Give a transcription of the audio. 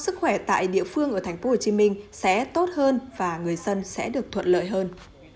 sức khỏe tại địa phương ở tp hcm sẽ tốt hơn và người dân sẽ được thuận lợi hơn